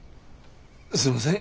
すんません